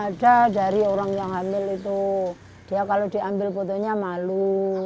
ada dari orang yang hamil itu dia kalau diambil fotonya malu